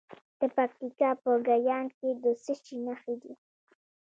د پکتیکا په ګیان کې د څه شي نښې دي؟